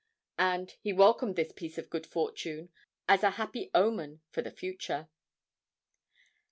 And he welcomed this piece of good fortune as a happy omen for the future.